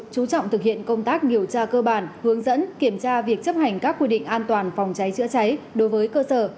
chú trọng thực hiện công tác điều tra cơ bản hướng dẫn kiểm tra việc chấp hành các quy định an toàn phòng cháy chữa cháy đối với cơ sở